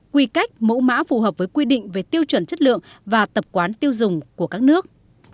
quy cách mẫu mã phù hợp với quy định về tiêu chuẩn chất lượng và tập quán tiêu dùng của các nước